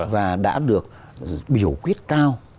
và đã được biểu quyết cao